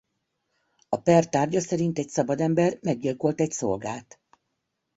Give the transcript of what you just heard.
A per tárgya szerint egy szabad ember meggyilkolt egy szolgát.